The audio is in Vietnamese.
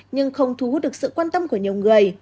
nhưng không thu hút được sự quan tâm của nhiều người